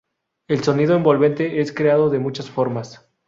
El sonido envolvente es creado de muchas formas.